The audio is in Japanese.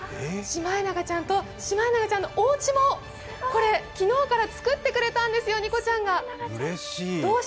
シマエナガちゃんとシマエナガちゃんのおうちも昨日から作ってくれたんです、仁子ちゃんが。